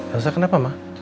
elsa kenapa ma